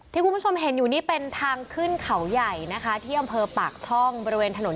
ที่คุณผู้ชมเห็นอยู่นี่เป็นทางขึ้นเขาใหญ่นะคะที่อำเภอปากช่องบริเวณถนน